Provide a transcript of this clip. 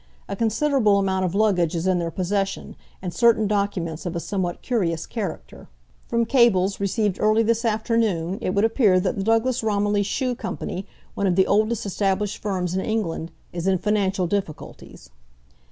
A considerable amount of luggage is in their possession, and certain documents of a somewhat curious character. From cables received early this afternoon, it would appear that the Douglas Romilly Shoe Company, one of the oldest established firms in England, is in financial difficulties.